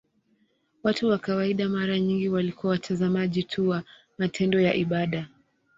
Watu wa kawaida mara nyingi walikuwa watazamaji tu wa matendo ya ibada.